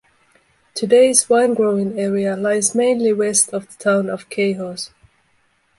Today's wine growing area lies mainly west of the town of Cahors.